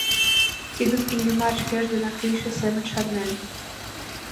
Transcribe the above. Тидым Иллимар шкеж денак лийше семын шарнен.